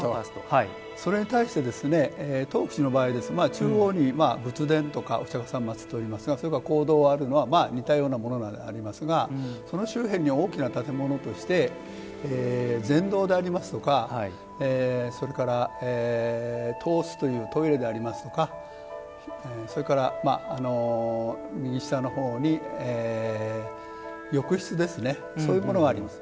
それに対して東福寺の場合は中央に仏殿とかお釈迦様像を祭っておりますがそれが講堂があるのは似たようなものがありますがその周辺に大きな建物として禅堂でありますとかそれから、東司というトイレでありますとかそれから右下のほうに浴室ですねそういうものがあります。